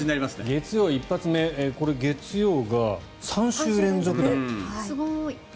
月曜一発目これ、月曜が３週連続で。